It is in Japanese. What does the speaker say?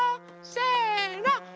せの。